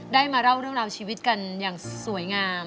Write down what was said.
ได้มาเล่าเรื่องราวชีวิตกันอย่างสวยงามอย่างมีความสุขแบ่งปันกัน